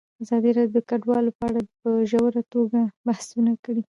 ازادي راډیو د کډوال په اړه په ژوره توګه بحثونه کړي.